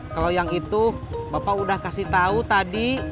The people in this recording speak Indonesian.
kalau yang itu bapak udah kasih tau tadi